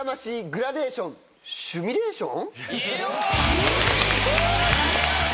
Ｍｒ．グラデーション